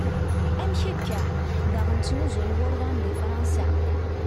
Amek akka? Daɣen ttnuzun wurḍan di Fransa?